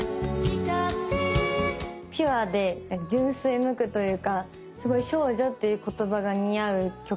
ピュアで純粋無垢というかすごい「少女」っていう言葉が似合う曲。